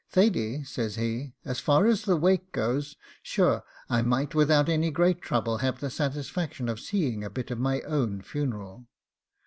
'Thady,' says he, 'as far as the wake goes, sure I might without any great trouble have the satisfaction of seeing a bit of my own funeral.